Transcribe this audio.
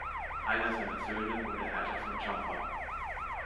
Einer seiner Söhne wurde Herrscher von Chamba.